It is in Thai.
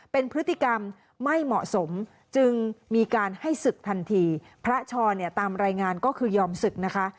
เป็นพฤติกรรมไม่เหมาะสมจึงมีการให้ศึกทันทีพระชรเนี่ยตามรายงานก็คือยอมศึกนะคะ